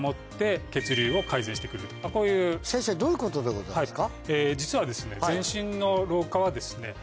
先生どういうことでございますか？